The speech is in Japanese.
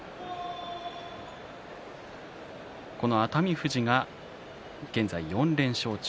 富士が現在４連勝中。